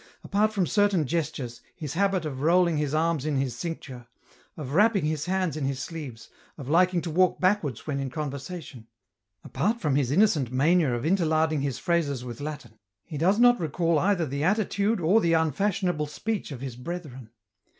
Apart from certain gestures, his habit of rolling his arms in his cincture, of wrapping his hands in his sleeves, oi liking to walk backwards when in conversation ; apart from his innocent mania of interlarding his phrases with Latin, he does not recall either the attitude or the unfashionable speech of his brethren.